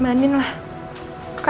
nggak ada di jakarta